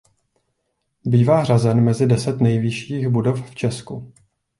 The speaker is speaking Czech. Bývá řazen mezi deset nejvyšších budov v Česku.